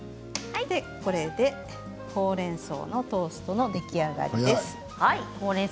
これでほうれんそうのトーストの出来上がりです。